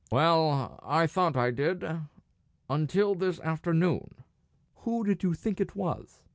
"Well, I thought I did until this afternoon." "Who did you think it was?"